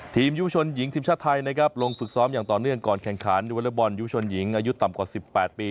ยุชนหญิงทีมชาติไทยนะครับลงฝึกซ้อมอย่างต่อเนื่องก่อนแข่งขันวอเล็กบอลยุชนหญิงอายุต่ำกว่า๑๘ปี